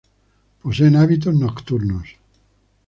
Poseen hábitos nocturnos.